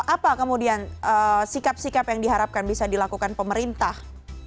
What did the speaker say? apa kemudian sikap sikap yang diharapkan bisa dilakukan pemerintah